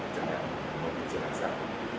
jangan mengundur jenazah